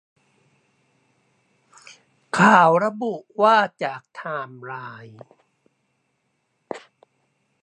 ข่าวระบุว่าจากไทม์ไลน์